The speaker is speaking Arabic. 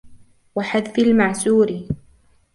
وَحَذْفِ الْمَعْسُورِ